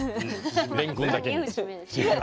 れんこんだけに。